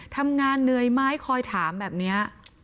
ทำงานเหนื่อยไหมคอยถามแบบนี้